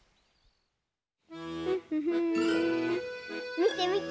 みてみて。